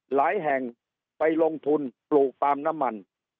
หลายแห่งไปลงทุนปลูกปาล์มน้ำมัน